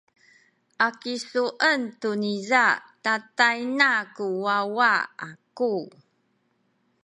a kisuen tu niza tatayna ku wawa aku.